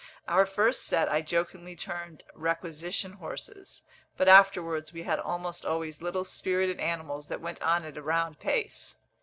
Our first set I jokingly termed requisition horses; but afterwards we had almost always little spirited animals that went on at a round pace.